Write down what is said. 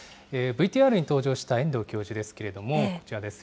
ＶＴＲに登場した遠藤教授ですけれども、こちらです。